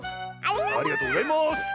ありがとうございます！